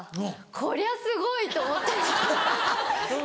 こりゃすごいと思って。